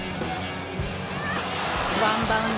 ワンバウンド。